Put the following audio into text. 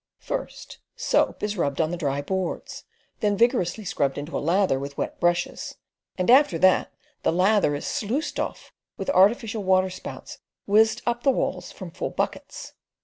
First soap is rubbed on the dry boards, then vigorously scrubbed into a lather with wet brushes, and after that the lather is sluiced off with artificial waterspouts whizzed up the walls from full buckets.